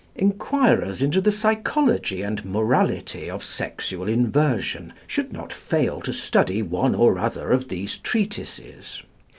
Enquirers into the psychology and morality of sexual inversion should not fail to study one or other of these treatises.